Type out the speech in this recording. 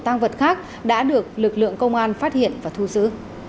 tăng vật khác đã được lực lượng công an phát hiện và thu giữ